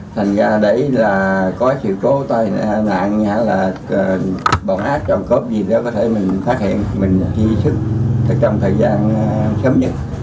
thành ra đấy là có sự cố tai nạn hay là bọn ác trong cốp gì đó có thể mình phát hiện mình thi sức trong thời gian sớm nhất